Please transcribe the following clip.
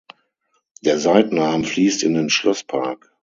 Der Seitenarm fließt in den Schlosspark.